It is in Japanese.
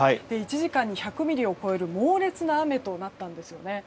１時間に１００ミリを超える猛烈な雨となったんですよね。